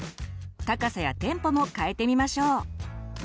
高さやテンポも変えてみましょう。